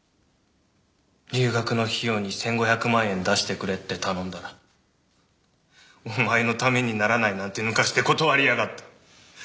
留学の費用に１５００万円出してくれって頼んだら「お前のためにならない」なんてぬかして断りやがった。